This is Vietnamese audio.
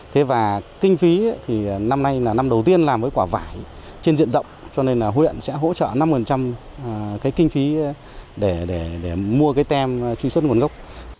thế và kinh phí thì năm nay là năm đầu tiên làm cái quả vải trên diện rộng cho nên là huyện sẽ hỗ trợ năm cái kinh phí để mua cái tem truy xuất nguồn gốc